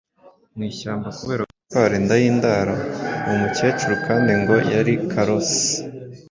mu ishyamba kubera gutwara inda y’indaro. Uwo mukecuru kandi ngo yari karosi,